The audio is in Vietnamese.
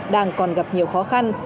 đang còn gặp nhiều khó khăn